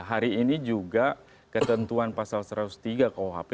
hari ini juga ketentuan pasal satu ratus tiga kuhp